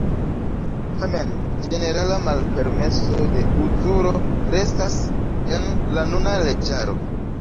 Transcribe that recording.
Tamen, ĝenerala malpermeso de uzuro restas en la nuna leĝaro.